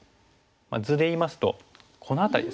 図で言いますとこの辺りですかね。